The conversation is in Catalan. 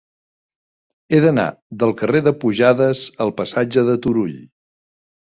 He d'anar del carrer de Pujades al passatge de Turull.